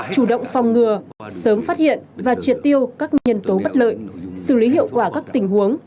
chủ động phòng ngừa sớm phát hiện và triệt tiêu các nhân tố bất lợi xử lý hiệu quả các tình huống